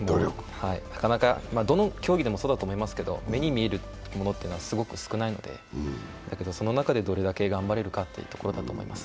なかなか、どの競技でもそうだと思いますが、目に見えるものっていうのはすごく少ないのでだけどその中でどれだけ頑張れるかというところだと思います。